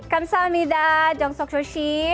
kamsahamnida jong sok soe syee